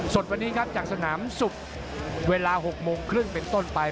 ส่วนวันนี้ครับจากสนามศุกร์เวลา๖โมงครึ่งเป็นต้นไป